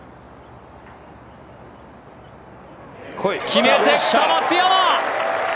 決めてきた、松山！